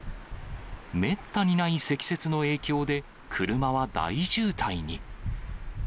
めったにない積雪の影響で、車は大渋滞に。